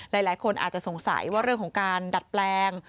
หลายคนอาจจะสงสัยว่าเรื่องของการดัดแปลง